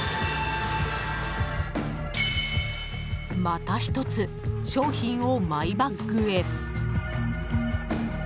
また１つ商品をマイバッグへ。